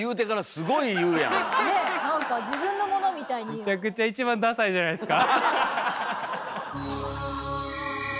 めちゃくちゃ一番ダサいじゃないですか。